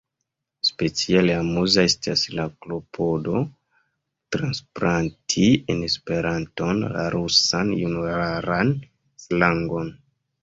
Speciale amuza estas la klopodo transplanti en Esperanton la rusan junularan slangon.